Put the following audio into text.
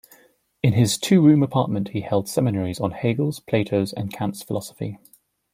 In his two-room apartment he held seminaries on Hegel's, Plato's and Kant's philosophy.